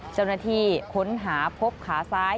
เจ้าหน้าที่ค้นหาพบขาซ้าย